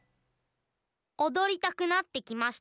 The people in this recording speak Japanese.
おどりたくなってきましたね。